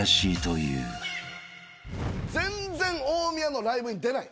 全然大宮のライブに出ない。